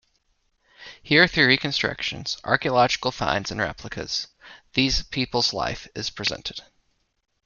Here, through reconstructions, archaeological finds and replicas, these people's life is presented.